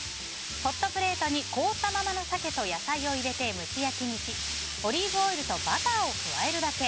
ホットプレートに凍ったままの鮭と野菜を入れて蒸し焼きにし、オリーブオイルとバターを加えるだけ。